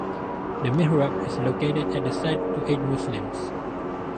A mihrab is located at the site to aid Muslims.